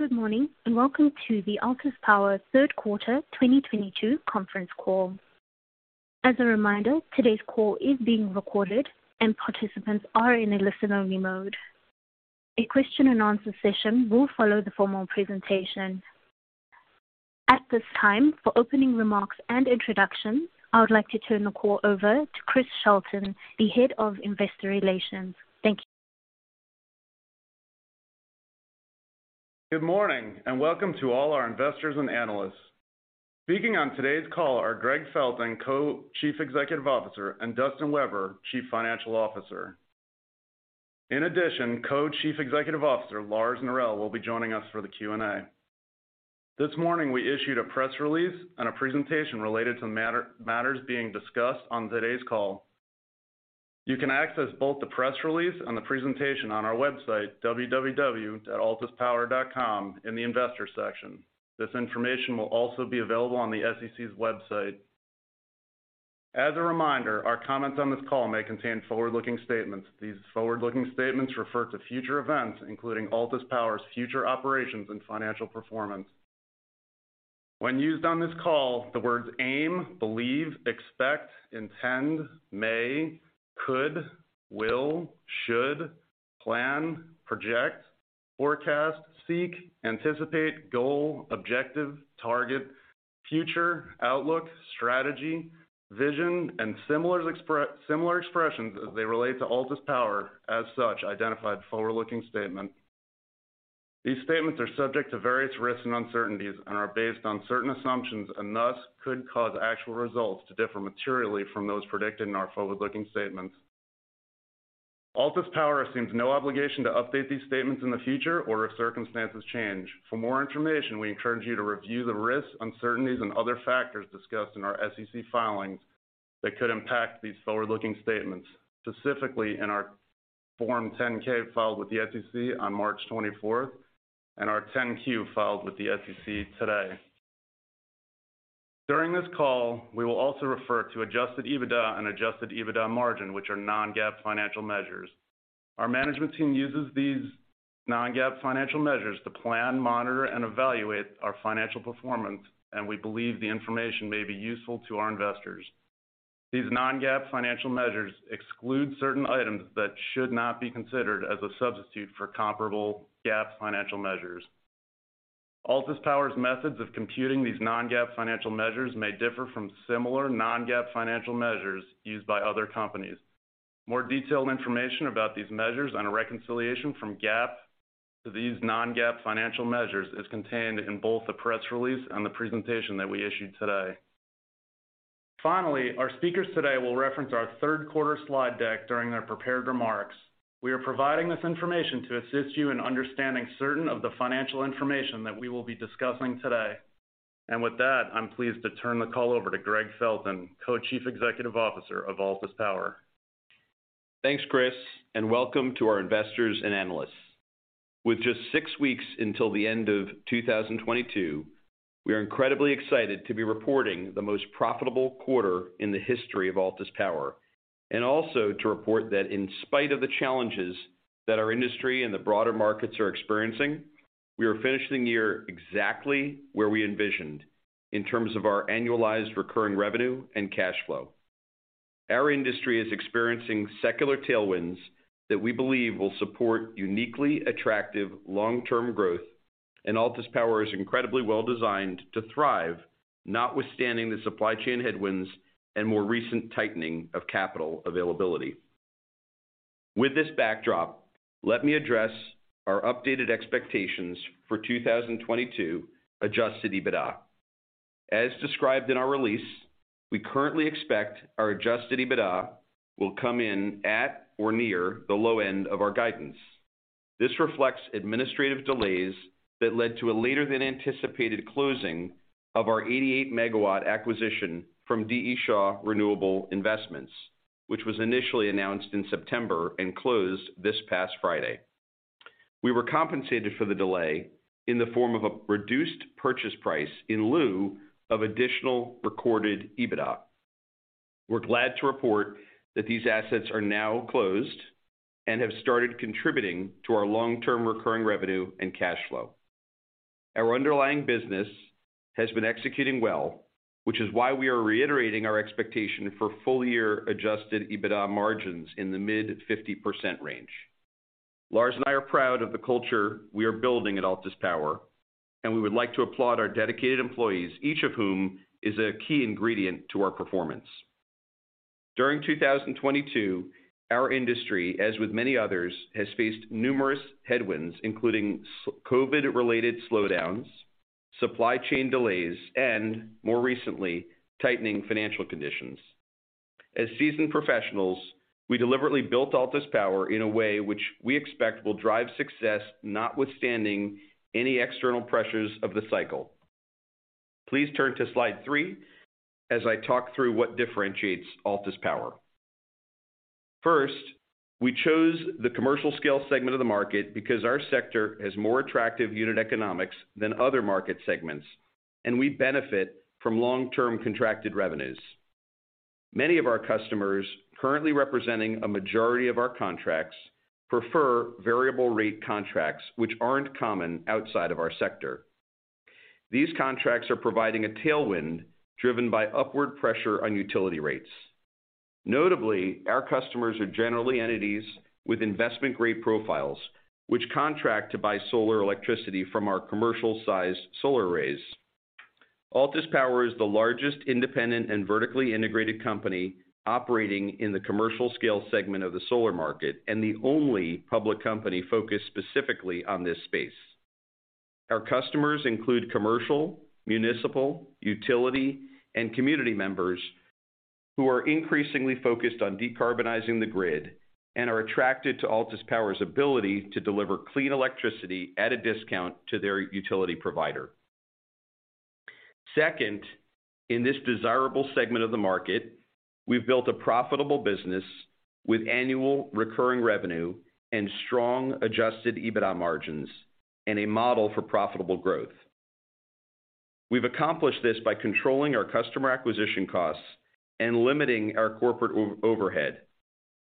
Good morning, and welcome to the Altus Power third quarter 2022 conference call. As a reminder, today's call is being recorded and participants are in a listen-only mode. A question-and-answer session will follow the formal presentation. At this time, for opening remarks and introductions, I would like to turn the call over to Chris Shelton, the Head of Investor Relations. Thank you. Good morning, and welcome to all our investors and analysts. Speaking on today's call are Gregg Felton, Co-Chief Executive Officer and Dustin Weber, Chief Financial Officer. In addition, Co-Chief Executive Officer Lars Norell will be joining us for the Q&A. This morning, we issued a press release and a presentation related to matters being discussed on today's call. You can access both the press release and the presentation on our website, www.altuspower.com, in the Investors section. This information will also be available on the SEC's website. As a reminder, our comments on this call may contain forward-looking statements. These forward-looking statements refer to future events, including Altus Power's future operations and financial performance. When used on this call, the words aim, believe, expect, intend, may, could, will, should, plan, project, forecast, seek, anticipate, goal, objective, target, future, outlook, strategy, vision, and similar expressions, as they relate to Altus Power are as such identified forward-looking statement. These statements are subject to various risks and uncertainties and are based on certain assumptions, and thus could cause actual results to differ materially from those predicted in our forward-looking statements. Altus Power assumes no obligation to update these statements in the future or if circumstances change. For more information, we encourage you to review the risks, uncertainties and other factors discussed in our SEC filings that could impact these forward-looking statements, specifically in our Form 10-K filed with the SEC on March 24th and our 10-Q filed with the SEC today. During this call, we will also refer to adjusted EBITDA and adjusted EBITDA margin, which are non-GAAP financial measures. Our management team uses these non-GAAP financial measures to plan, monitor, and evaluate our financial performance, and we believe the information may be useful to our investors. These non-GAAP financial measures exclude certain items that should not be considered as a substitute for comparable GAAP financial measures. Altus Power's methods of computing these non-GAAP financial measures may differ from similar non-GAAP financial measures used by other companies. More detailed information about these measures and a reconciliation from GAAP to these non-GAAP financial measures is contained in both the press release and the presentation that we issued today. Finally, our speakers today will reference our third quarter slide deck during their prepared remarks. We are providing this information to assist you in understanding certain of the financial information that we will be discussing today. With that, I'm pleased to turn the call over to Gregg Felton, Co-Chief Executive Officer of Altus Power. Thanks, Chris, and welcome to our investors and analysts. With just six weeks until the end of 2022, we are incredibly excited to be reporting the most profitable quarter in the history of Altus Power. Also to report that in spite of the challenges that our industry and the broader markets are experiencing, we are finishing the year exactly where we envisioned in terms of our annualized recurring revenue and cash flow. Our industry is experiencing secular tailwinds that we believe will support uniquely attractive long-term growth, and Altus Power is incredibly well-designed to thrive, notwithstanding the supply chain headwinds and more recent tightening of capital availability. With this backdrop, let me address our updated expectations for 2022 adjusted EBITDA. As described in our release, we currently expect our adjusted EBITDA will come in at or near the low end of our guidance. This reflects administrative delays that led to a later than anticipated closing of our 88-MW acquisition from D. E. Shaw Renewable Investments, which was initially announced in September and closed this past Friday. We were compensated for the delay in the form of a reduced purchase price in lieu of additional recorded EBITDA. We're glad to report that these assets are now closed and have started contributing to our long-term recurring revenue and cash flow. Our underlying business has been executing well, which is why we are reiterating our expectation for full-year adjusted EBITDA margins in the mid-50% range. Lars and I are proud of the culture we are building at Altus Power, and we would like to applaud our dedicated employees, each of whom is a key ingredient to our performance. During 2022, our industry, as with many others, has faced numerous headwinds, including COVID-related slowdowns, supply chain delays, and more recently, tightening financial conditions. As seasoned professionals, we deliberately built Altus Power in a way which we expect will drive success notwithstanding any external pressures of the cycle. Please turn to slide three as I talk through what differentiates Altus Power. First, we chose the commercial scale segment of the market because our sector has more attractive unit economics than other market segments, and we benefit from long-term contracted revenues. Many of our customers, currently representing a majority of our contracts, prefer variable rate contracts, which aren't common outside of our sector. These contracts are providing a tailwind driven by upward pressure on utility rates. Notably, our customers are generally entities with investment-grade profiles, which contract to buy solar electricity from our commercial-sized solar arrays. Altus Power is the largest independent and vertically integrated company operating in the commercial scale segment of the solar market, and the only public company focused specifically on this space. Our customers include commercial, municipal, utility, and community members who are increasingly focused on decarbonizing the grid and are attracted to Altus Power's ability to deliver clean electricity at a discount to their utility provider. Second, in this desirable segment of the market, we've built a profitable business with annual recurring revenue and strong adjusted EBITDA margins and a model for profitable growth. We've accomplished this by controlling our customer acquisition costs and limiting our corporate overhead,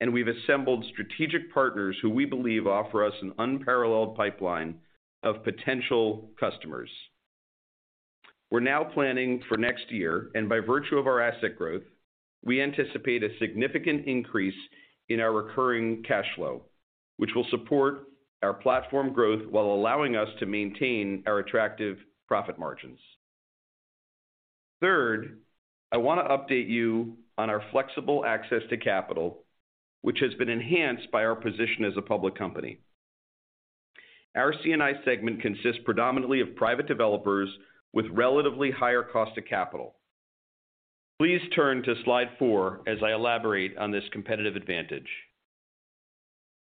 and we've assembled strategic partners who we believe offer us an unparalleled pipeline of potential customers. We're now planning for next year, and by virtue of our asset growth, we anticipate a significant increase in our recurring cash flow, which will support our platform growth while allowing us to maintain our attractive profit margins. Third, I wanna update you on our flexible access to capital, which has been enhanced by our position as a public company. Our C&I segment consists predominantly of private developers with relatively higher cost of capital. Please turn to slide four as I elaborate on this competitive advantage.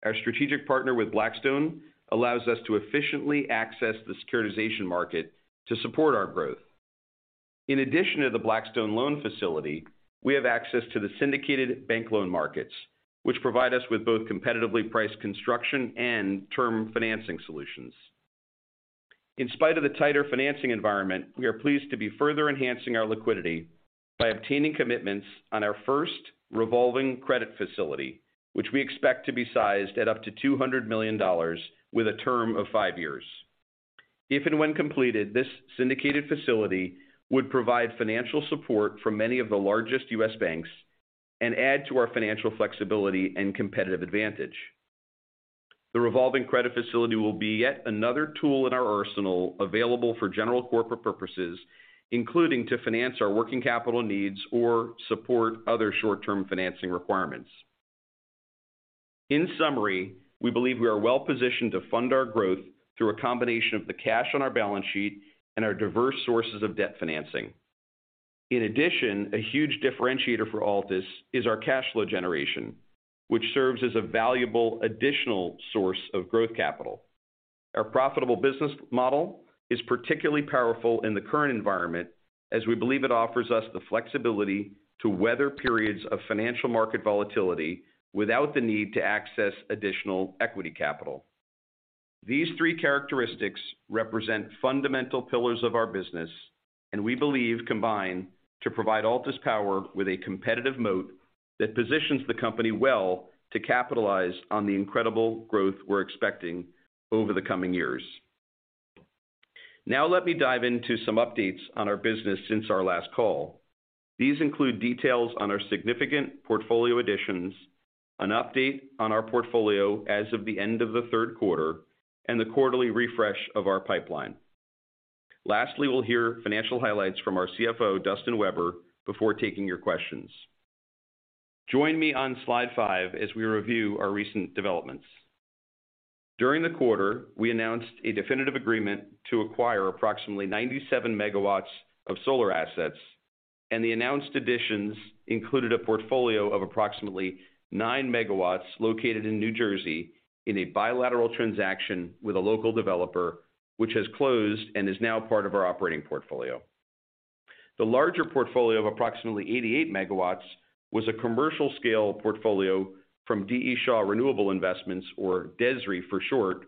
Our strategic partner with Blackstone allows us to efficiently access the securitization market to support our growth. In addition to the Blackstone loan facility, we have access to the syndicated bank loan markets, which provide us with both competitively priced construction and term financing solutions. In spite of the tighter financing environment, we are pleased to be further enhancing our liquidity by obtaining commitments on our first revolving credit facility, which we expect to be sized at up to $200 million with a term of five years. If and when completed, this syndicated facility would provide financial support from many of the largest U.S. banks and add to our financial flexibility and competitive advantage. The revolving credit facility will be yet another tool in our arsenal available for general corporate purposes, including to finance our working capital needs or support other short-term financing requirements. In summary, we believe we are well-positioned to fund our growth through a combination of the cash on our balance sheet and our diverse sources of debt financing. In addition, a huge differentiator for Altus is our cash flow generation, which serves as a valuable additional source of growth capital. Our profitable business model is particularly powerful in the current environment, as we believe it offers us the flexibility to weather periods of financial market volatility without the need to access additional equity capital. These three characteristics represent fundamental pillars of our business, and we believe combine to provide Altus Power with a competitive moat that positions the company well to capitalize on the incredible growth we're expecting over the coming years. Now let me dive into some updates on our business since our last call. These include details on our significant portfolio additions, an update on our portfolio as of the end of the third quarter, and the quarterly refresh of our pipeline. Lastly, we'll hear financial highlights from our CFO, Dustin Weber, before taking your questions. Join me on slide five as we review our recent developments. During the quarter, we announced a definitive agreement to acquire approximately 97 MW of solar assets, and the announced additions included a portfolio of approximately 9 MW located in New Jersey in a bilateral transaction with a local developer, which has closed and is now part of our operating portfolio. The larger portfolio of approximately 88 MW was a commercial scale portfolio from D. E. Shaw Renewable Investments, or DESRI for short.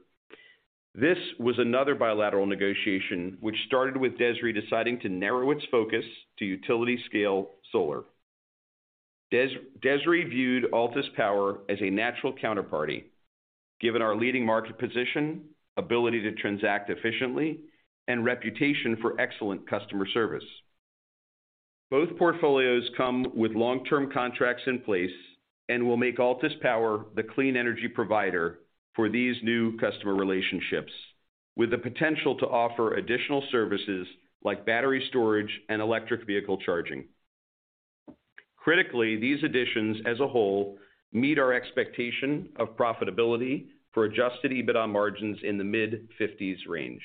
This was another bilateral negotiation which started with DESRI deciding to narrow its focus to utility scale solar. DESRI viewed Altus Power as a natural counterparty, given our leading market position, ability to transact efficiently, and reputation for excellent customer service. Both portfolios come with long-term contracts in place and will make Altus Power the clean energy provider for these new customer relationships, with the potential to offer additional services like battery storage and electric vehicle charging. Critically, these additions as a whole meet our expectation of profitability for adjusted EBITDA margins in the mid-50s range.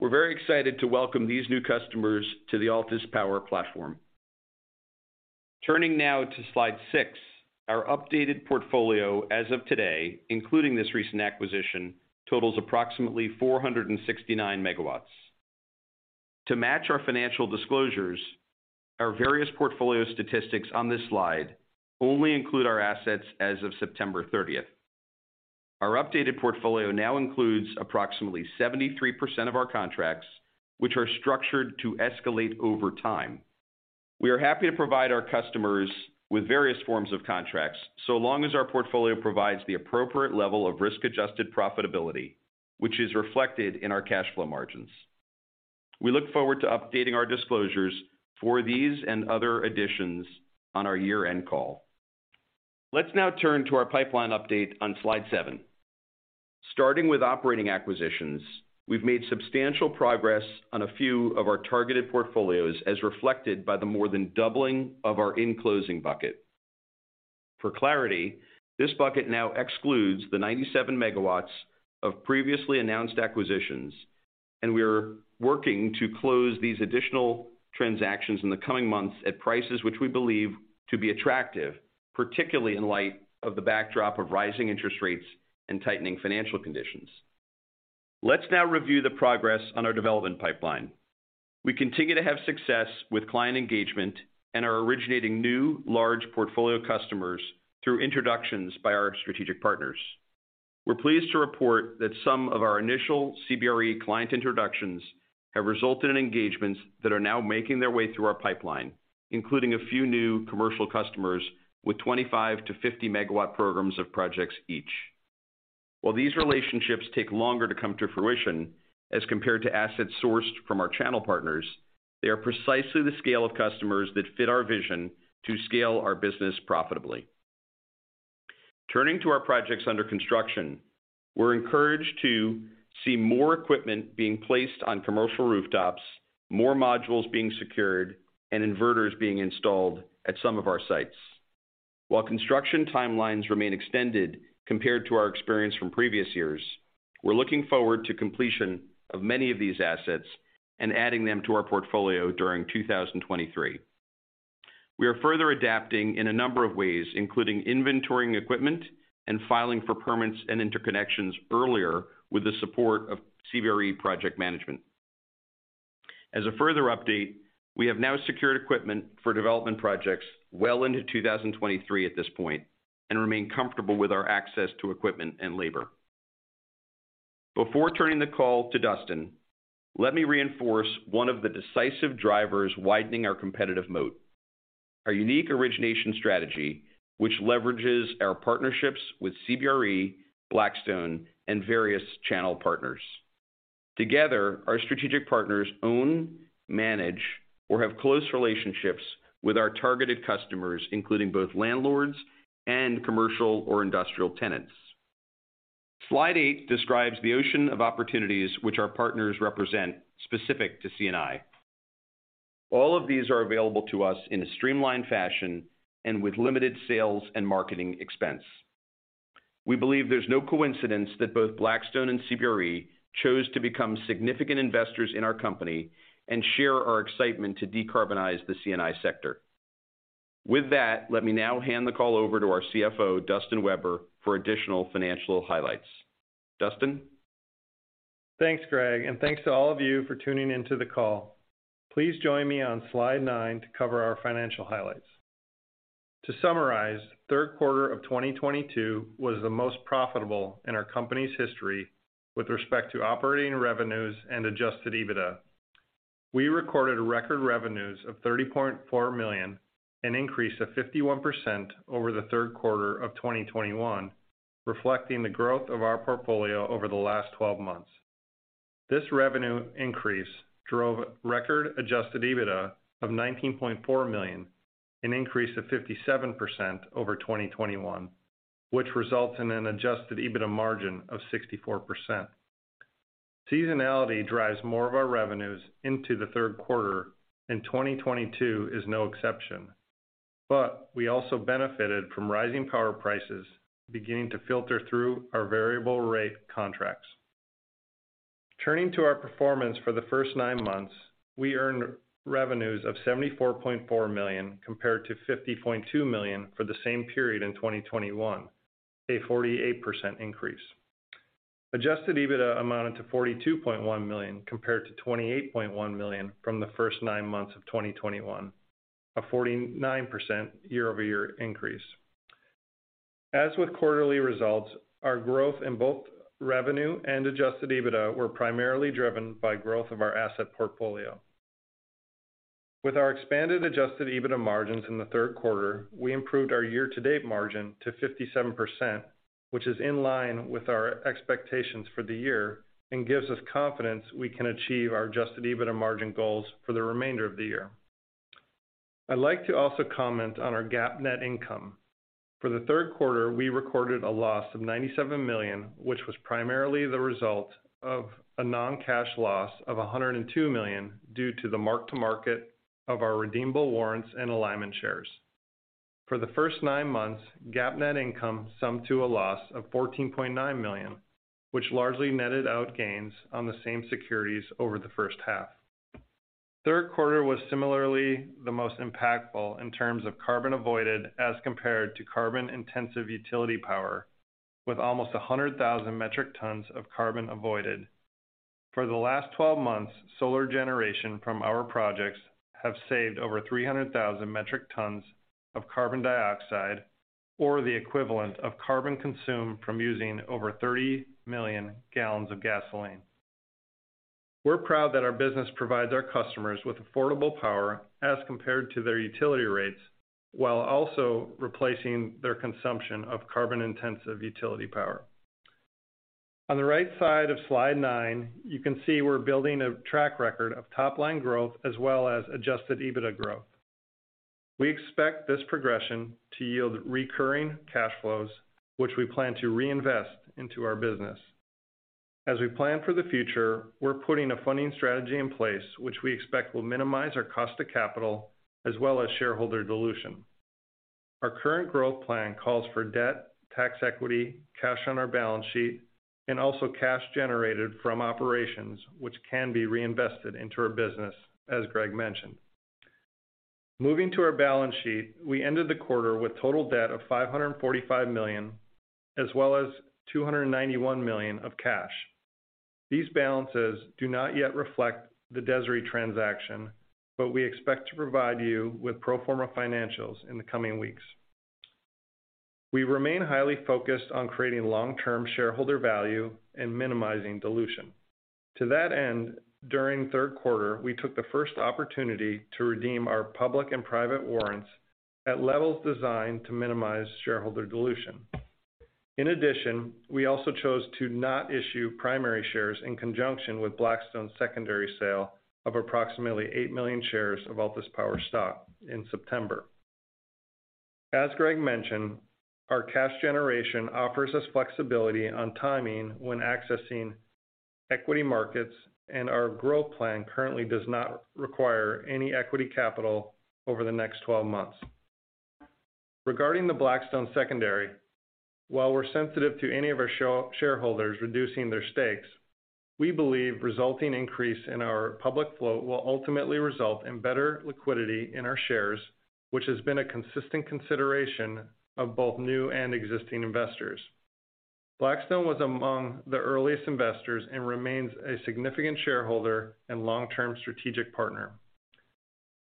We're very excited to welcome these new customers to the Altus Power platform. Turning now to slide six, our updated portfolio as of today, including this recent acquisition, totals approximately 469 MW. To match our financial disclosures, our various portfolio statistics on this slide only include our assets as of September 30th. Our updated portfolio now includes approximately 73% of our contracts, which are structured to escalate over time. We are happy to provide our customers with various forms of contracts, so long as our portfolio provides the appropriate level of risk-adjusted profitability, which is reflected in our cash flow margins. We look forward to updating our disclosures for these and other additions on our year-end call. Let's now turn to our pipeline update on slide seven. Starting with operating acquisitions, we've made substantial progress on a few of our targeted portfolios, as reflected by the more than doubling of our in closing bucket. For clarity, this bucket now excludes the 97 MW of previously announced acquisitions, and we are working to close these additional transactions in the coming months at prices which we believe to be attractive, particularly in light of the backdrop of rising interest rates and tightening financial conditions. Let's now review the progress on our development pipeline. We continue to have success with client engagement and are originating new large portfolio customers through introductions by our strategic partners. We're pleased to report that some of our initial CBRE client introductions have resulted in engagements that are now making their way through our pipeline, including a few new commercial customers with 25 MW-50 MW programs of projects each. While these relationships take longer to come to fruition as compared to assets sourced from our channel partners, they are precisely the scale of customers that fit our vision to scale our business profitably. Turning to our projects under construction, we're encouraged to see more equipment being placed on commercial rooftops, more modules being secured, and inverters being installed at some of our sites. While construction timelines remain extended compared to our experience from previous years, we're looking forward to completion of many of these assets and adding them to our portfolio during 2023. We are further adapting in a number of ways, including inventorying equipment and filing for permits and interconnections earlier with the support of CBRE project management. As a further update, we have now secured equipment for development projects well into 2023 at this point and remain comfortable with our access to equipment and labor. Before turning the call to Dustin, let me reinforce one of the decisive drivers widening our competitive moat, our unique origination strategy, which leverages our partnerships with CBRE, Blackstone, and various channel partners. Together, our strategic partners own, manage, or have close relationships with our targeted customers, including both landlords and commercial or industrial tenants. Slide eight describes the ocean of opportunities which our partners represent specific to C&I. All of these are available to us in a streamlined fashion and with limited sales and marketing expense. We believe there's no coincidence that both Blackstone and CBRE chose to become significant investors in our company and share our excitement to decarbonize the C&I sector. With that, let me now hand the call over to our CFO, Dustin Weber for additional financial highlights. Dustin. Thanks, Gregg, and thanks to all of you for tuning in to the call. Please join me on slide nine to cover our financial highlights. To summarize, third quarter of 2022 was the most profitable in our company's history with respect to operating revenues and adjusted EBITDA. We recorded record revenues of $30.4 million, an increase of 51% over the third quarter of 2021, reflecting the growth of our portfolio over the last 12 months. This revenue increase drove record adjusted EBITDA of $19.4 million, an increase of 57% over 2021, which results in an adjusted EBITDA margin of 64%. Seasonality drives more of our revenues into the third quarter, and 2022 is no exception. We also benefited from rising power prices beginning to filter through our variable rate contracts. Turning to our performance for the first nine months, we earned revenues of $74.4 million, compared to $50.2 million for the same period in 2021, a 48% increase. Adjusted EBITDA amounted to $42.1 million, compared to $28.1 million from the first nine months of 2021, a 49% year-over-year increase. As with quarterly results, our growth in both revenue and adjusted EBITDA were primarily driven by growth of our asset portfolio. With our expanded adjusted EBITDA margins in the third quarter, we improved our year-to-date margin to 57%, which is in line with our expectations for the year and gives us confidence we can achieve our adjusted EBITDA margin goals for the remainder of the year. I'd like to also comment on our GAAP net income. For the third quarter, we recorded a loss of $97 million, which was primarily the result of a non-cash loss of $102 million due to the mark-to-market of our redeemable warrants and alignment shares. For the first nine months, GAAP net income summed to a loss of $14.9 million, which largely netted out gains on the same securities over the first half. Third quarter was similarly the most impactful in terms of carbon avoided as compared to carbon-intensive utility power, with almost 100,000 metric tons of carbon avoided. For the last twelve months, solar generation from our projects have saved over 300,000 metric tons of carbon dioxide or the equivalent of carbon consumed from using over 30 million gal of gasoline. We're proud that our business provides our customers with affordable power as compared to their utility rates, while also replacing their consumption of carbon-intensive utility power. On the right side of slide nine, you can see we're building a track record of top-line growth as well as adjusted EBITDA growth. We expect this progression to yield recurring cash flows, which we plan to reinvest into our business. As we plan for the future, we're putting a funding strategy in place, which we expect will minimize our cost of capital as well as shareholder dilution. Our current growth plan calls for debt, tax equity, cash on our balance sheet, and also cash generated from operations, which can be reinvested into our business, as Gregg mentioned. Moving to our balance sheet, we ended the quarter with total debt of $545 million, as well as $291 million of cash. These balances do not yet reflect the DESRI transaction, but we expect to provide you with pro forma financials in the coming weeks. We remain highly focused on creating long-term shareholder value and minimizing dilution. To that end, during third quarter, we took the first opportunity to redeem our public and private warrants at levels designed to minimize shareholder dilution. In addition, we also chose to not issue primary shares in conjunction with Blackstone's secondary sale of approximately eight million shares of Altus Power stock in September. As Greg mentioned, our cash generation offers us flexibility on timing when accessing equity markets, and our growth plan currently does not require any equity capital over the next 12 months. Regarding the Blackstone secondary, while we're sensitive to any of our shareholders reducing their stakes, we believe resulting increase in our public float will ultimately result in better liquidity in our shares, which has been a consistent consideration of both new and existing investors. Blackstone was among the earliest investors and remains a significant shareholder and long-term strategic partner.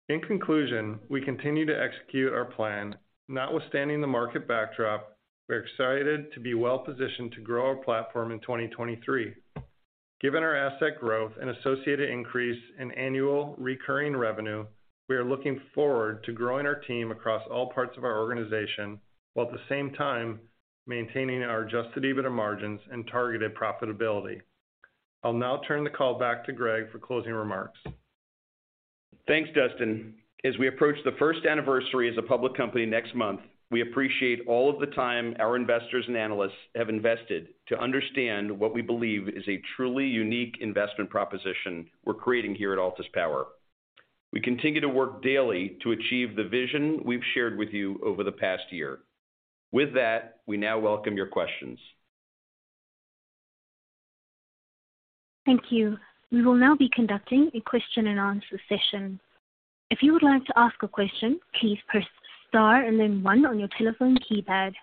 In conclusion, we continue to execute our plan. Notwithstanding the market backdrop, we're excited to be well-positioned to grow our platform in 2023. Given our asset growth and associated increase in annual recurring revenue, we are looking forward to growing our team across all parts of our organization, while at the same time, maintaining our adjusted EBITDA margins and targeted profitability. I'll now turn the call back to Greg for closing remarks. Thanks, Dustin. As we approach the first anniversary as a public company next month, we appreciate all of the time our investors and analysts have invested to understand what we believe is a truly unique investment proposition we're creating here at Altus Power. We continue to work daily to achieve the vision we've shared with you over the past year. With that, we now welcome your questions. Thank you. We will now be conducting a question and answer session. If you would like to ask a question, please press star and then one on your telephone keypad.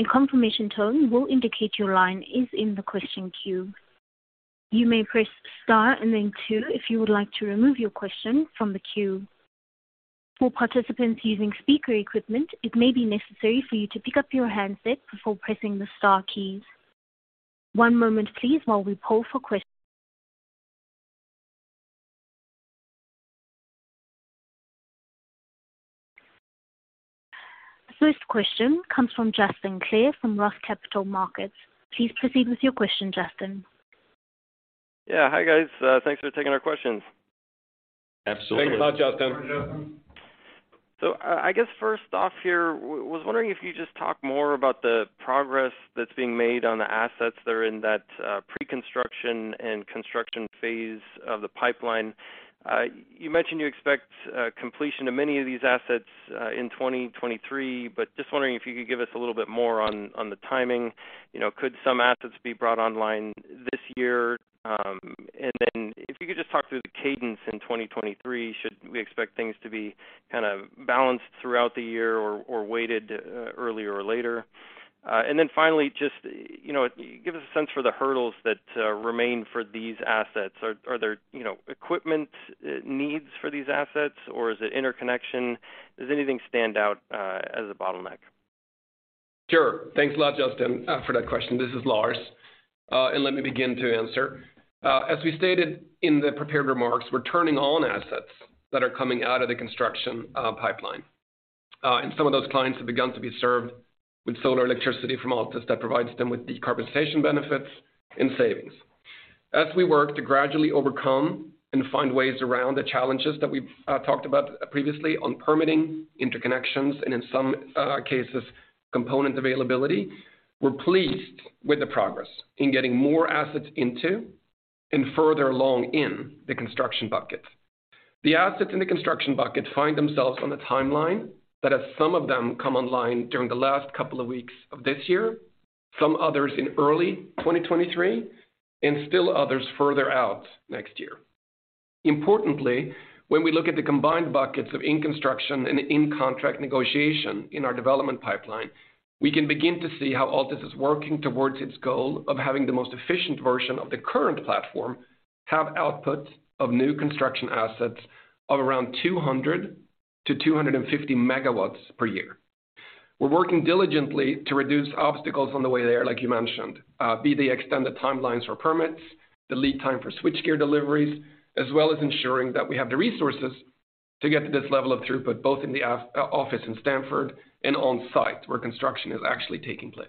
A confirmation tone will indicate your line is in the question queue. You may press star and then two if you would like to remove your question from the queue. For participants using speaker equipment, it may be necessary for you to pick up your handset before pressing the star keys. One moment, please, while we poll for questions. The first question comes from Justin Clare from ROTH Capital Partners. Please proceed with your question, Justin. Yeah. Hi, guys. Thanks for taking our questions. Absolutely. Thanks a lot, Justin. I guess first off here, was wondering if you could just talk more about the progress that's being made on the assets that are in that pre-construction and construction phase of the pipeline. You mentioned you expect completion of many of these assets in 2023, but just wondering if you could give us a little bit more on the timing. You know, could some assets be brought online this year? And then if you could just talk through the cadence in 2023, should we expect things to be kind of balanced throughout the year or weighted earlier or later? And then finally, just you know, give us a sense for the hurdles that remain for these assets. Are there you know, equipment needs for these assets, or is it interconnection? Does anything stand out as a bottleneck? Sure. Thanks a lot, Justin, for that question. This is Lars. Let me begin to answer. As we stated in the prepared remarks, we're turning on assets that are coming out of the construction pipeline. Some of those clients have begun to be served with solar electricity from Altus that provides them with decarbonization benefits and savings. As we work to gradually overcome and find ways around the challenges that we've talked about previously on permitting interconnections, and in some cases, component availability, we're pleased with the progress in getting more assets into and further along in the construction bucket. The assets in the construction bucket find themselves on the timeline that as some of them come online during the last couple of weeks of this year, some others in early 2023, and still others further out next year. Importantly, when we look at the combined buckets of in-construction and in-contract negotiation in our development pipeline, we can begin to see how Altus is working towards its goal of having the most efficient version of the current platform have output of new construction assets of around 200 MW-250 MW per year. We're working diligently to reduce obstacles on the way there, like you mentioned, be they extended timelines for permits, the lead time for switchgear deliveries, as well as ensuring that we have the resources to get to this level of throughput, both in the office in Stamford and on site where construction is actually taking place.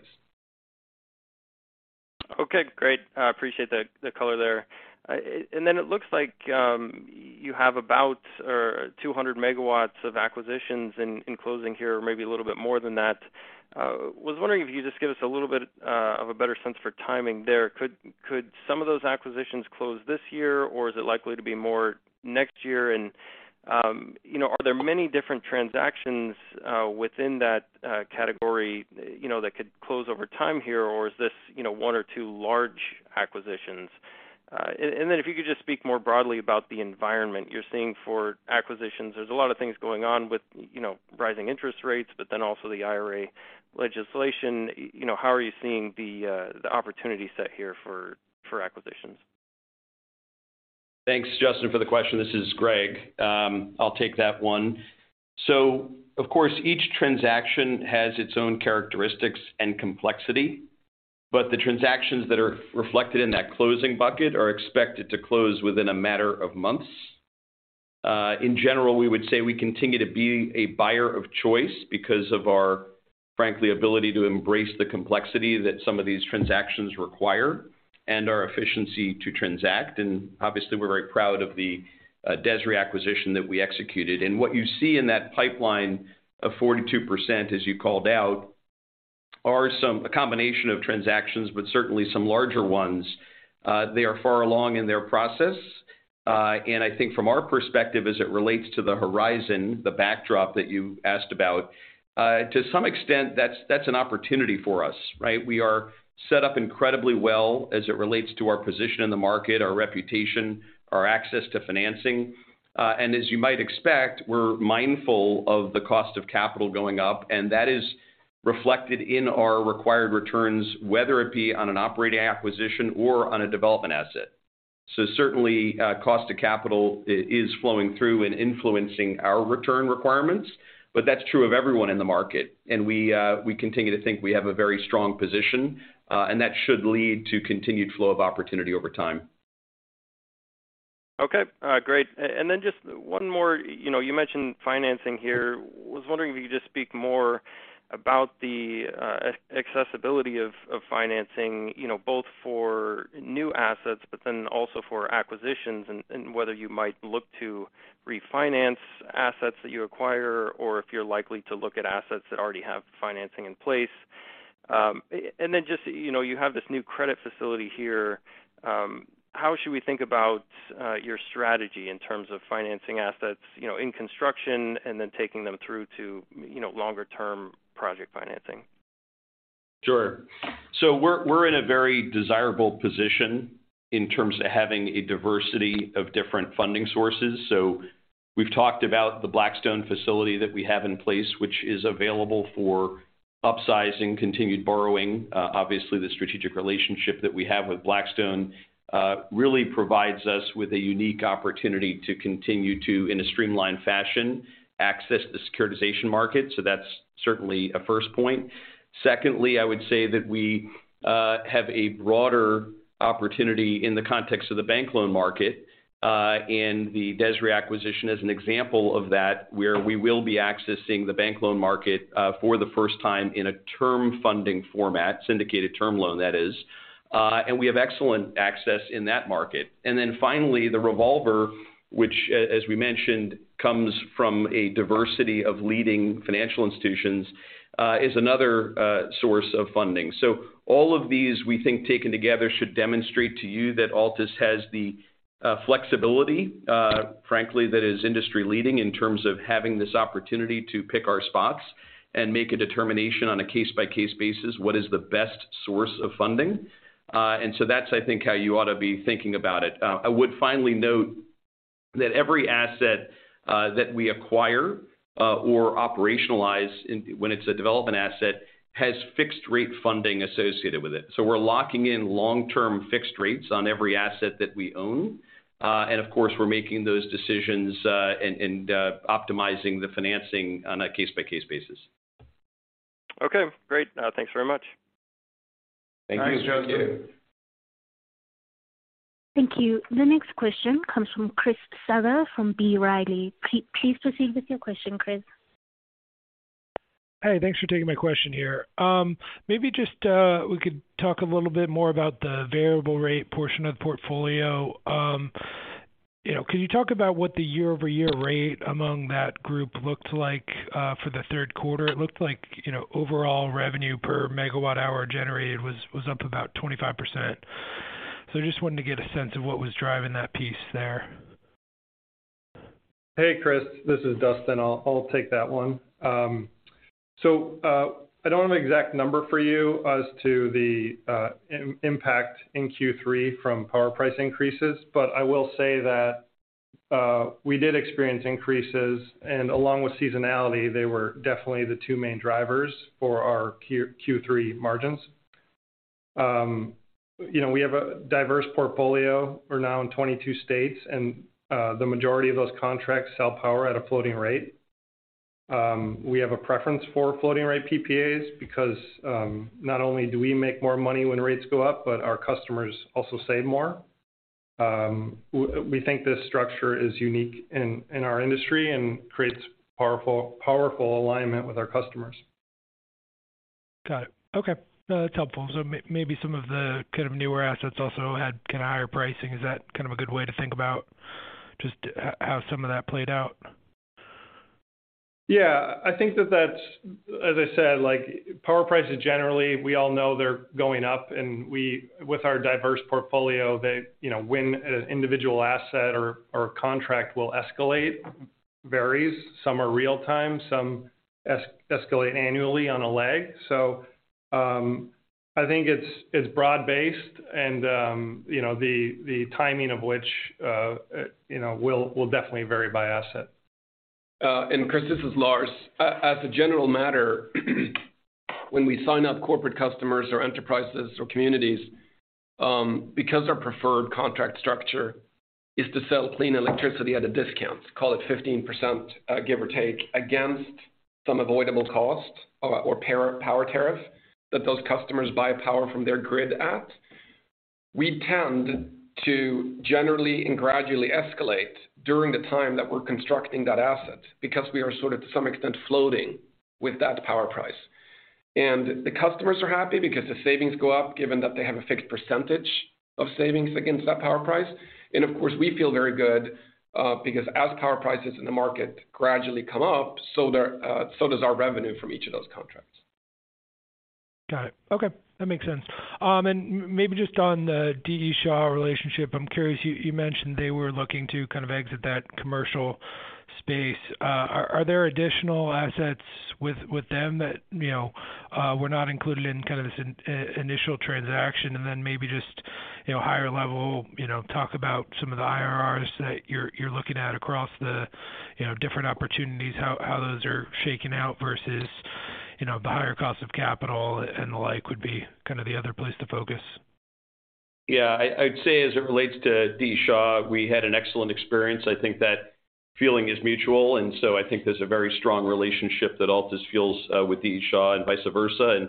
Okay, great. I appreciate the color there. Then it looks like you have about 200 MW of acquisitions in closing here, or maybe a little bit more than that. I was wondering if you could just give us a little bit of a better sense for timing there. Could some of those acquisitions close this year, or is it likely to be more next year? You know, are there many different transactions within that category, you know, that could close over time here? Or is this you know, one or two large acquisitions? Then if you could just speak more broadly about the environment you're seeing for acquisitions. There's a lot of things going on with you know, rising interest rates, but then also the IRA legislation. You know, how are you seeing the opportunity set here for acquisitions? Thanks, Justin, for the question. This is Gregg. I'll take that one. Of course, each transaction has its own characteristics and complexity, but the transactions that are reflected in that closing bucket are expected to close within a matter of months. In general, we would say we continue to be a buyer of choice because of our, frankly, ability to embrace the complexity that some of these transactions require and our efficiency to transact. Obviously, we're very proud of the DESRI acquisition that we executed. What you see in that pipeline of 42%, as you called out, are a combination of transactions, but certainly some larger ones. They are far along in their process. I think from our perspective, as it relates to the horizon, the backdrop that you asked about, to some extent, that's an opportunity for us, right? We are set up incredibly well as it relates to our position in the market, our reputation, our access to financing. As you might expect, we're mindful of the cost of capital going up, and that is reflected in our required returns, whether it be on an operating acquisition or on a development asset. Certainly, cost of capital is flowing through and influencing our return requirements. That's true of everyone in the market, and we continue to think we have a very strong position, and that should lead to continued flow of opportunity over time. Okay. Great. Just one more. You know, you mentioned financing here. Was wondering if you could just speak more about the accessibility of financing, you know, both for new assets, but then also for acquisitions, and whether you might look to refinance assets that you acquire or if you're likely to look at assets that already have financing in place, and then, you know, you have this new credit facility here, how should we think about your strategy in terms of financing assets, you know, in construction and then taking them through to longer term project financing? Sure. We're in a very desirable position in terms of having a diversity of different funding sources. We've talked about the Blackstone facility that we have in place, which is available for upsizing, continued borrowing. Obviously the strategic relationship that we have with Blackstone really provides us with a unique opportunity to continue to, in a streamlined fashion, access the securitization market. That's certainly a first point. Secondly, I would say that we have a broader opportunity in the context of the bank loan market, and the DESRI acquisition as an example of that, where we will be accessing the bank loan market for the first time in a term funding format, syndicated term loan that is. We have excellent access in that market. Then finally, the revolver, which as we mentioned, comes from a diversity of leading financial institutions, is another source of funding. All of these, we think, taken together, should demonstrate to you that Altus has the flexibility, frankly, that is industry-leading in terms of having this opportunity to pick our spots and make a determination on a case-by-case basis what is the best source of funding. That's, I think, how you ought to be thinking about it. I would finally note that every asset that we acquire or operationalize when it's a development asset, has fixed rate funding associated with it. We're locking in long-term fixed rates on every asset that we own. Of course, we're making those decisions and optimizing the financing on a case-by-case basis. Okay, great. Thanks very much. Thank you. Thanks, Justin. Thank you. The next question comes from Chris Souther from B. Riley. Please proceed with your question, Chris. Hey, thanks for taking my question here. Maybe just we could talk a little bit more about the variable rate portion of the portfolio. You know, could you talk about what the year-over-year rate among that group looked like for the third quarter? It looked like, you know, overall revenue per megawatt hour generated was up about 25%. I just wanted to get a sense of what was driving that piece there. Hey, Chris, this is Dustin. I'll take that one. I don't have an exact number for you as to the impact in Q3 from power price increases, but I will say that we did experience increases, and along with seasonality, they were definitely the two main drivers for our Q3 margins. You know, we have a diverse portfolio. We're now in 22 states, and the majority of those contracts sell power at a floating rate. We have a preference for floating rate PPAs because not only do we make more money when rates go up, but our customers also save more. We think this structure is unique in our industry and creates powerful alignment with our customers. Got it. Okay. No, that's helpful. Maybe some of the kind of newer assets also had kinda higher pricing. Is that kind of a good way to think about just how some of that played out? Yeah. I think that that's. As I said, like power prices generally, we all know they're going up, and with our diverse portfolio, they, you know, when an individual asset or contract will escalate varies. Some are real time, some escalate annually on a lag. I think it's broad-based and, you know, the timing of which, you know, will definitely vary by asset. Chris, this is Lars. As a general matter, when we sign up corporate customers or enterprises or communities, because our preferred contract structure is to sell clean electricity at a discount, call it 15%, give or take, against some avoidable cost or retail power tariff that those customers buy power from their grid at, we tend to generally and gradually escalate during the time that we're constructing that asset, because we are sort of to some extent floating with that power price. The customers are happy because the savings go up, given that they have a fixed percentage of savings against that power price. Of course, we feel very good, because as power prices in the market gradually come up, so does our revenue from each of those contracts. Got it. Okay, that makes sense. Maybe just on the D. E. Shaw relationship, I'm curious, you mentioned they were looking to kind of exit that commercial space. Are there additional assets with them that, you know, were not included in kind of this initial transaction? Maybe just, you know, higher level, you know, talk about some of the IRRs that you're looking at across the, you know, different opportunities, how those are shaking out versus, you know, the higher cost of capital and the like would be kind of the other place to focus. Yeah. I'd say as it relates to D. E. Shaw, we had an excellent experience. I think that feeling is mutual, and so I think there's a very strong relationship that Altus feels with D. E. Shaw and vice versa.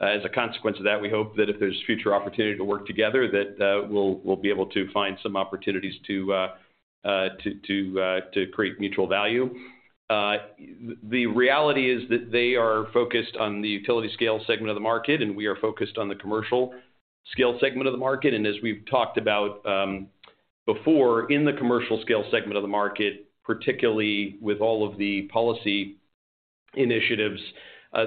As a consequence of that, we hope that if there's future opportunity to work together, we'll be able to find some opportunities to create mutual value. The reality is that they are focused on the utility scale segment of the market, and we are focused on the commercial scale segment of the market. As we've talked about before, in the commercial scale segment of the market, particularly with all of the policy initiatives,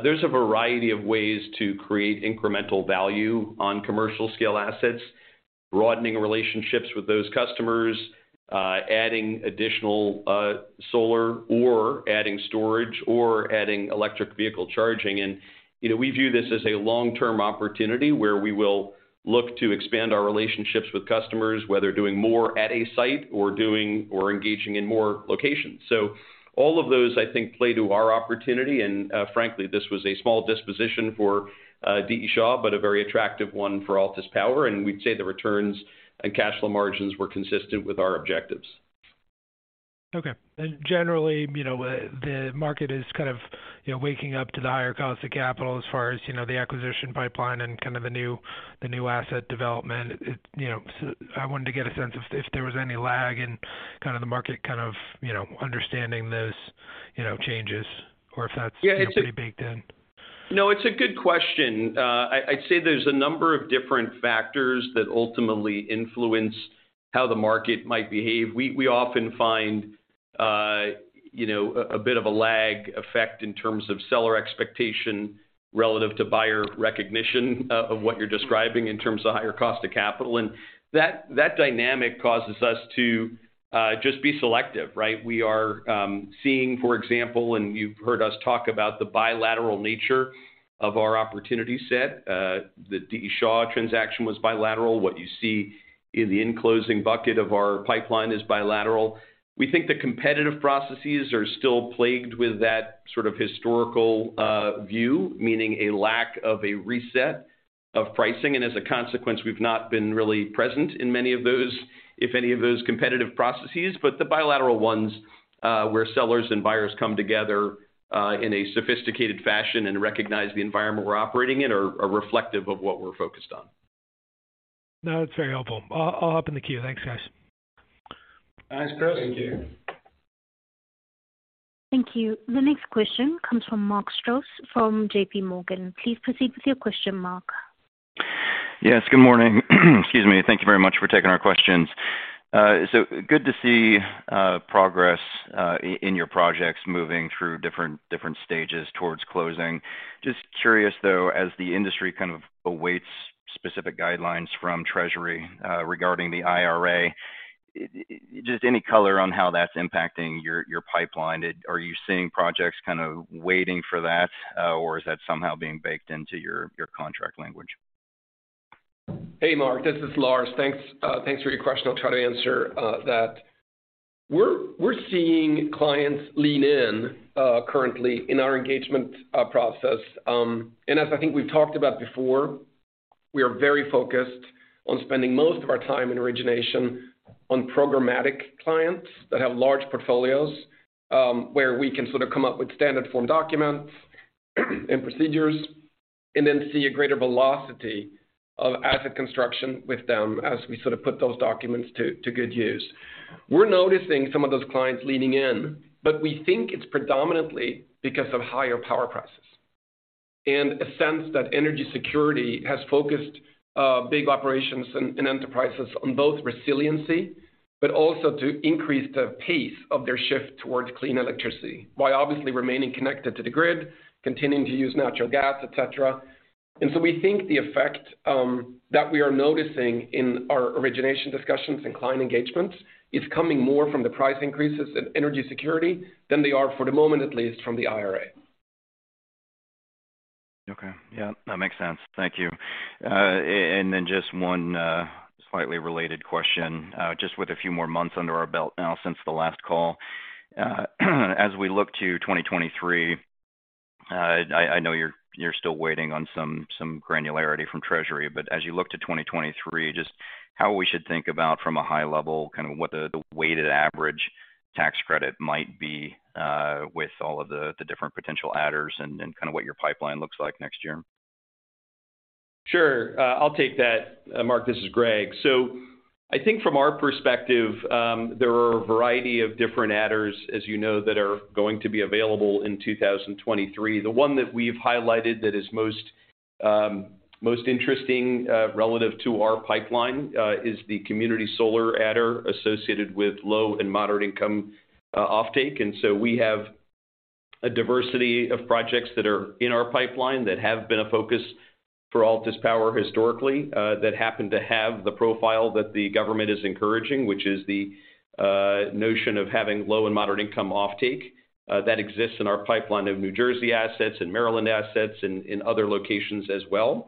there's a variety of ways to create incremental value on commercial scale assets, broadening relationships with those customers, adding additional solar or adding storage or adding electric vehicle charging. You know, we view this as a long-term opportunity where we will look to expand our relationships with customers, whether doing more at a site or doing or engaging in more locations. All of those, I think, play to our opportunity. Frankly, this was a small disposition for D. E. Shaw, but a very attractive one for Altus Power, and we'd say the returns and cash flow margins were consistent with our objectives. Okay. Generally, you know, the market is kind of, you know, waking up to the higher cost of capital as far as, you know, the acquisition pipeline and kind of the new asset development. You know, I wanted to get a sense of if there was any lag in kind of the market, kind of, you know, understanding those, you know, changes or if that's. Yeah. You know, pretty baked in. No, it's a good question. I'd say there's a number of different factors that ultimately influence how the market might behave. We often find, you know, a bit of a lag effect in terms of seller expectation relative to buyer recognition of what you're describing in terms of higher cost of capital. That dynamic causes us to just be selective, right? We are seeing, for example, and you've heard us talk about the bilateral nature of our opportunity set. The D. E. Shaw transaction was bilateral. What you see in the closing bucket of our pipeline is bilateral. We think the competitive processes are still plagued with that sort of historical view, meaning a lack of a reset of pricing. As a consequence, we've not been really present in many of those, if any of those competitive processes. The bilateral ones, where sellers and buyers come together, in a sophisticated fashion and recognize the environment we're operating in are reflective of what we're focused on. No, that's very helpful. I'll hop in the queue. Thanks, guys. Thanks, Chris. Thank you. Thank you. The next question comes from Mark Strouse from JPMorgan. Please proceed with your question, Mark. Yes, good morning. Excuse me. Thank you very much for taking our questions. So good to see progress in your projects moving through different stages towards closing. Just curious though, as the industry kind of awaits specific guidelines from Treasury regarding the IRA. Just any color on how that's impacting your pipeline. Are you seeing projects kind of waiting for that? Or is that somehow being baked into your contract language? Hey, Mark, this is Lars. Thanks for your question. I'll try to answer that. We're seeing clients lean in currently in our engagement process. As I think we've talked about before, we are very focused on spending most of our time in origination on programmatic clients that have large portfolios, where we can sort of come up with standard form documents and procedures and then see a greater velocity of asset construction with them as we sort of put those documents to good use. We're noticing some of those clients leaning in, but we think it's predominantly because of higher power prices and a sense that energy security has focused big operations and enterprises on both resiliency, but also to increase the pace of their shift towards clean electricity, while obviously remaining connected to the grid, continuing to use natural gas, et cetera. We think the effect that we are noticing in our origination discussions and client engagements is coming more from the price increases and energy security than they are for the moment, at least from the IRA. Okay. Yeah, that makes sense. Thank you. Just one slightly related question, just with a few more months under our belt now since the last call. As we look to 2023, I know you're still waiting on some granularity from Treasury, but as you look to 2023, just how we should think about from a high level, kind of what the weighted average tax credit might be, with all of the different potential adders and kind of what your pipeline looks like next year. Sure. I'll take that. Mark, this is Gregg. I think from our perspective, there are a variety of different adders, as you know, that are going to be available in 2023. The one that we've highlighted that is most interesting relative to our pipeline is the community solar adder associated with low and moderate income offtake. We have a diversity of projects that are in our pipeline that have been a focus for Altus Power historically that happen to have the profile that the government is encouraging, which is the notion of having low and moderate income offtake. That exists in our pipeline of New Jersey assets and Maryland assets and in other locations as well.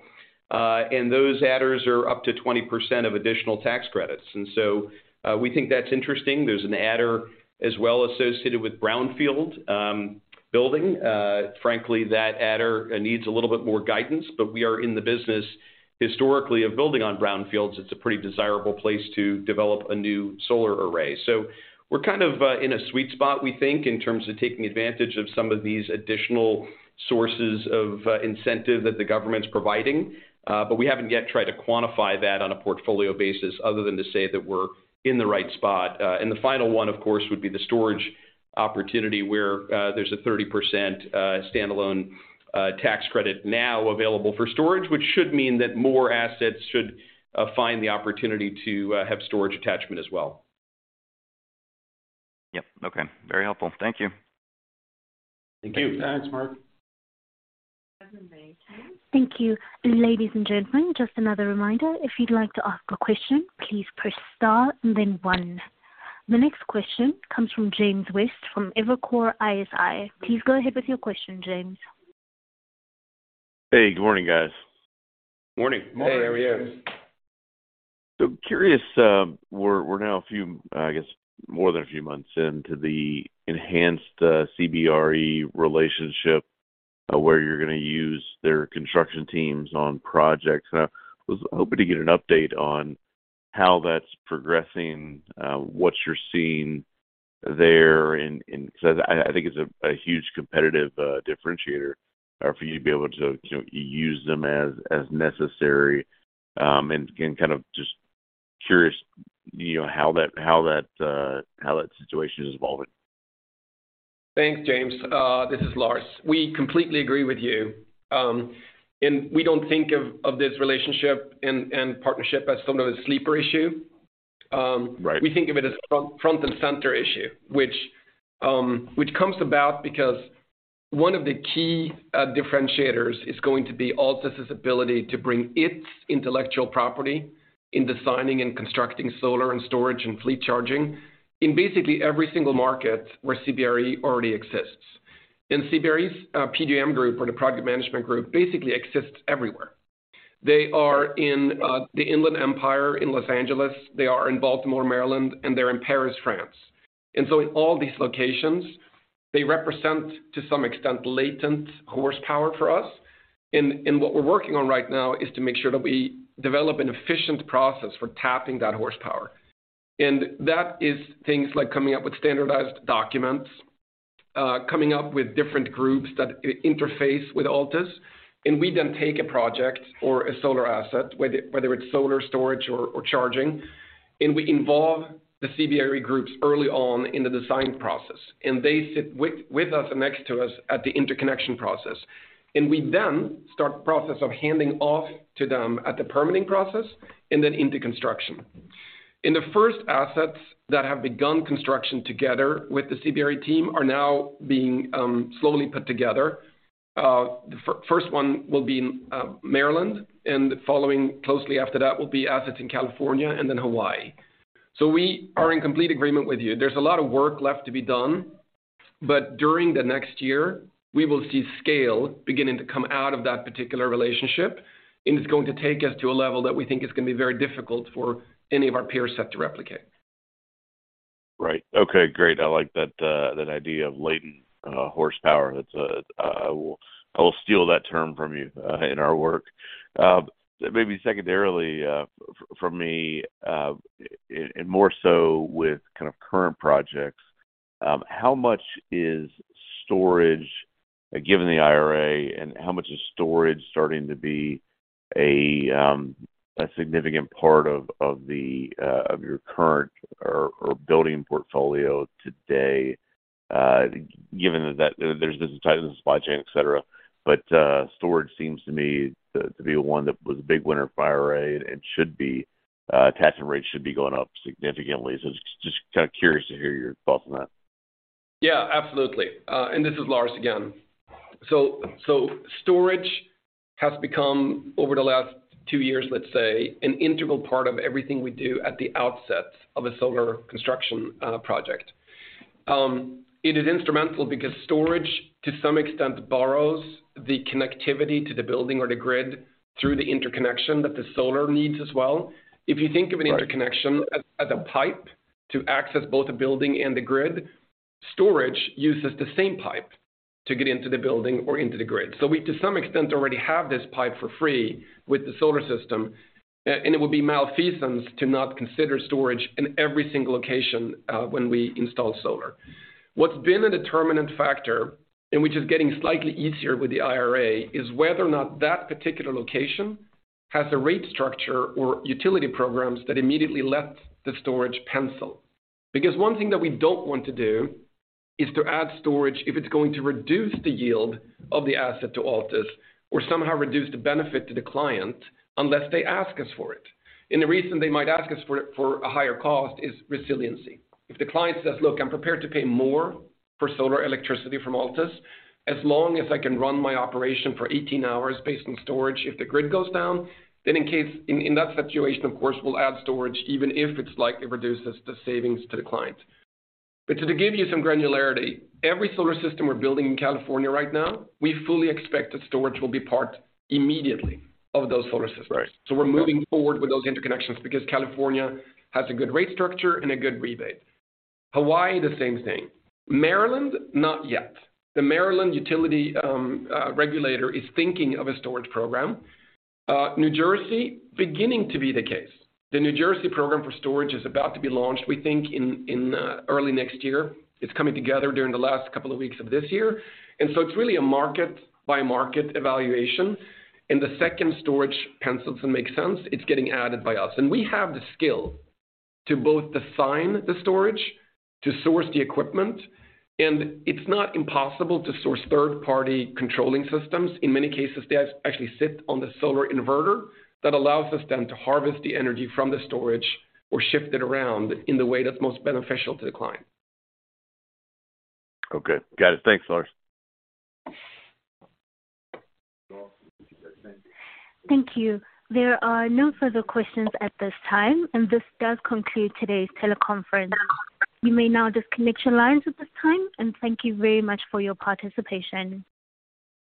Those adders are up to 20% of additional tax credits. We think that's interesting. There's an adder as well associated with brownfield building. Frankly, that adder needs a little bit more guidance, but we are in the business historically of building on brownfields. It's a pretty desirable place to develop a new solar array. We're kind of in a sweet spot, we think, in terms of taking advantage of some of these additional sources of incentive that the government's providing. We haven't yet tried to quantify that on a portfolio basis other than to say that we're in the right spot. The final one, of course, would be the storage opportunity where there's a 30% stand-alone tax credit now available for storage, which should mean that more assets should find the opportunity to have storage attachment as well. Yep. Okay. Very helpful. Thank you. Thank you. Thanks, Mark. Thank you. Ladies and gentlemen, just another reminder. If you'd like to ask a question, please press star and then one. The next question comes from James West from Evercore ISI. Please go ahead with your question, James. Hey, good morning, guys. Morning. Morning. Hey. How are you? Curious, we're now a few, I guess more than a few months into the enhanced CBRE relationship, where you're gonna use their construction teams on projects. I was hoping to get an update on how that's progressing, what you're seeing there, and I think it's a huge competitive differentiator for you to be able to use them as necessary. Again, kind of just curious, you know, how that situation is evolving. Thanks, James. This is Lars. We completely agree with you. We don't think of this relationship and partnership as some sort of sleeper issue. Right. We think of it as front and center issue, which comes about because one of the key differentiators is going to be Altus's ability to bring its intellectual property in designing and constructing solar and storage and fleet charging in basically every single market where CBRE already exists. CBRE's PMG group or the Program Management Group basically exists everywhere. They are in the Inland Empire in Los Angeles, they are in Baltimore, Maryland, and they're in Paris, France. In all these locations, they represent, to some extent, latent horsepower for us. What we're working on right now is to make sure that we develop an efficient process for tapping that horsepower. That is things like coming up with standardized documents, coming up with different groups that interface with Altus. We then take a project or a solar asset, whether it's solar storage or charging, and we involve the CBRE Group early on in the design process. They sit with us next to us at the interconnection process. We then start the process of handing off to them at the permitting process and then into construction. The first assets that have begun construction together with the CBRE team are now being slowly put together. The first one will be in Maryland, and following closely after that will be assets in California and then Hawaii. We are in complete agreement with you. There's a lot of work left to be done, but during the next year, we will see scale beginning to come out of that particular relationship, and it's going to take us to a level that we think is gonna be very difficult for any of our peer set to replicate. Right. Okay, great. I like that idea of latent horsepower. That's. I will steal that term from you in our work. Maybe secondarily from me and more so with kind of current projects, how much is storage given the IRA, and how much is storage starting to be a significant part of your current or building portfolio today, given that there's this tightness in supply chain, etc. Storage seems to me to be the one that was a big winner for IRA and attachment rates should be going up significantly. Just kinda curious to hear your thoughts on that. Yeah, absolutely. This is Lars again. Storage has become over the last two years, let's say, an integral part of everything we do at the outset of a solar construction project. It is instrumental because storage, to some extent, borrows the connectivity to the building or the grid through the interconnection that the solar needs as well. If you think of an interconnection as a pipe to access both the building and the grid, storage uses the same pipe to get into the building or into the grid. We, to some extent, already have this pipe for free with the solar system, and it would be malfeasance to not consider storage in every single location when we install solar. What's been a determinant factor, which is getting slightly easier with the IRA, is whether or not that particular location has a rate structure or utility programs that immediately let the storage pencil. Because one thing that we don't want to do is to add storage if it's going to reduce the yield of the asset to Altus or somehow reduce the benefit to the client unless they ask us for it. The reason they might ask us for a higher cost is resiliency. If the client says, "Look, I'm prepared to pay more for solar electricity from Altus as long as I can run my operation for 18 hours based on storage if the grid goes down," then in that situation, of course, we'll add storage even if it slightly reduces the savings to the client. To give you some granularity, every solar system we're building in California right now, we fully expect that storage will be part immediately of those solar systems. Right. We're moving forward with those interconnections because California has a good rate structure and a good rebate. Hawaii, the same thing. Maryland, not yet. The Maryland utility regulator is thinking of a storage program. New Jersey, beginning to be the case. The New Jersey program for storage is about to be launched, we think in early next year. It's coming together during the last couple of weeks of this year. It's really a market-by-market evaluation. The second storage pencils and makes sense, it's getting added by us. We have the skill to both design the storage, to source the equipment, and it's not impossible to source third-party controlling systems. In many cases, they actually sit on the solar inverter that allows us then to harvest the energy from the storage or shift it around in the way that's most beneficial to the client. Okay. Got it. Thanks, Lars. Thank you. There are no further questions at this time, and this does conclude today's teleconference. You may now disconnect your lines at this time, and thank you very much for your participation.